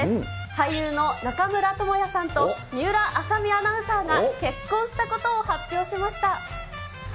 俳優の中村倫也さんと水卜麻美アナウンサーが結婚したことを発表